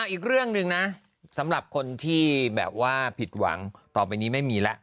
อีกเรื่องหนึ่งนะสำหรับคนที่แบบว่าผิดหวังต่อไปนี้ไม่มีแล้ว